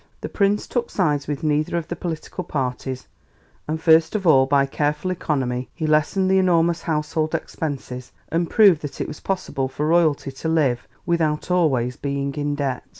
The Prince took sides with neither of the political parties, and first of all by careful economy he lessened the enormous household expenses and proved that it was possible for royalty to live without always being in debt.